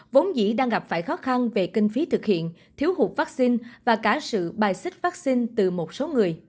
vốn dĩ đang gặp phải khó khăn về kinh phí thực hiện thiếu hụt vaccine và cả sự bài xích phát sinh từ một số người